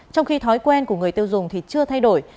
trong khi thói quen của người tiêu dùng thì chưa thay đổi